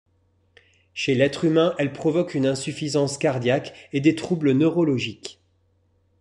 Chez l'être humain elle provoque une insuffisance cardiaque et des troubles neurologiques.